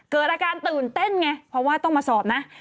เกิดอาการตื่นเต้นไงเพราะว่าต้องมาสอบนะ